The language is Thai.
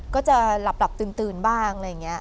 ก็จะหลับตื่นบ้างอะไรอย่างนี้